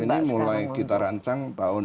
ini mulai kita rancang tahun dua ribu dua belas